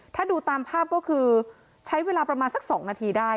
ถ้าดูตามภาพก็คือใช้เวลาประมาณสัก๒นาทีได้